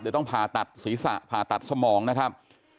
เดี๋ยวต้องผ่าตัดศีรษะผ่าตัดสมองนะครับ